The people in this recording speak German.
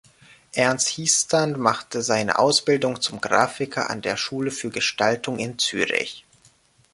Ernst Hiestand machte seine Ausbildung zum Grafiker an der Schule für Gestaltung in Zürich.